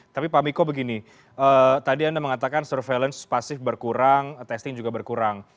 tapi pak miko begini tadi anda mengatakan surveillance pasif berkurang testing juga berkurang